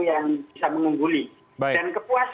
yang bisa mengungguli dan